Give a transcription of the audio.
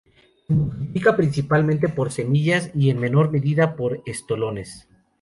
Se multiplica principalmente por semillas y en menor medida por estolones.